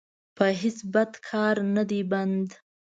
په هېڅ بد کار نه بند دی.